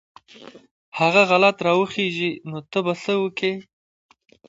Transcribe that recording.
هغه غلط راوخېژي نو ته به څه وکې.